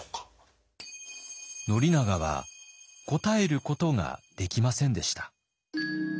宣長は答えることができませんでした。